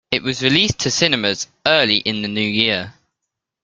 It was released to cinemas early in the New Year.